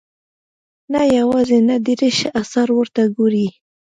نه یوازې نهه دېرش اثار ورته ګوري.